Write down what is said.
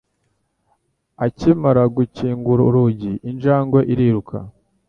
Akimara gukingura urugi injangwe iriruka